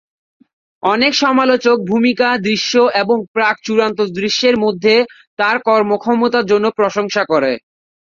অনেক সমালোচক ভূমিকা দৃশ্য এবং প্রাক-চূড়ান্ত দৃশ্যের মধ্যে তার কর্মক্ষমতা জন্য প্রশংসা করে।